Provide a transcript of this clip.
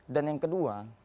dan yang kedua